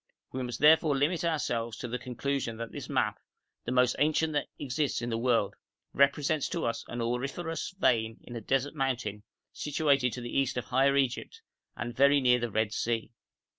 We must therefore limit ourselves to the conclusion that this map, the most ancient that exists in the world, represents to us an auriferous vein in a desert mountain situated to the east of Higher Egypt, and very near the Red Sea.